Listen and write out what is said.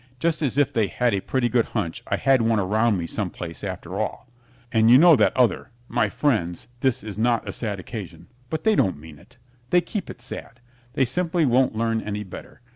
just as if they had a pretty good hunch I had one around me some place after all. And you know that other "My friends, this is not a sad occasion," but they don't mean it. They keep it sad. They simply won't learn any better.